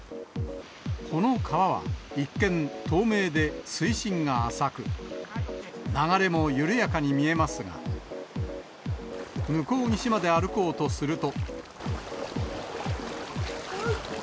この川は一見、透明で水深が浅く、流れも緩やかに見えますが、向こう岸まで歩こうとすると。